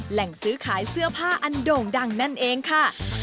ซื้อขายเสื้อผ้าอันโด่งดังนั่นเองค่ะ